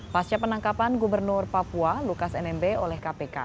pasca penangkapan gubernur papua lukas nmb oleh kpk